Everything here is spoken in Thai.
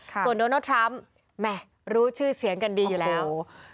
ส่วนโดนัลดทรัมป์รู้ชื่อเสียงกันดีอยู่แล้ว